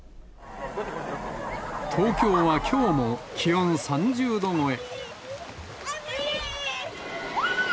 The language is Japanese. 東京はきょうも、気温３０度超え。